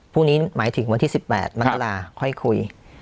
พรุ่งนี้หมายถึงวันที่๑๘มกราค่อยคุย